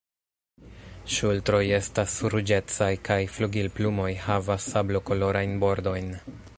Ŝultroj estas ruĝecaj kaj flugilplumoj havas sablokolorajn bordojn.